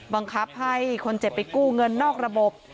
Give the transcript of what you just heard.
บังคับให้คนเจ็บไปกู้เงินนอกระบบ